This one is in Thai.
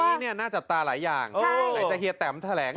อันนี้เนี่ยน่าจับตาหลายอย่างไหนจะเฮียแตมแถลง